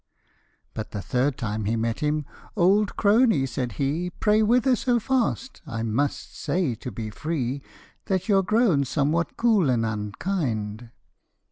But the third time he met him, " Old crony," said he, " Pray whither so fast ? I must say, to be free, That you're grown somewhat cool and unkind."